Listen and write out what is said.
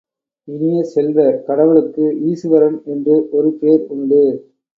இனிய செல்வ, கடவுளுக்கு ஈசுவரன் என்று ஒரு பேர் உண்டு.